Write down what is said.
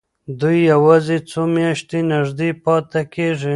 دوی یوازې څو میاشتې نږدې پاتې کېږي.